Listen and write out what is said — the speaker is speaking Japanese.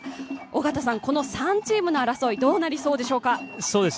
この３チームの争いどうなりそうでしょうか。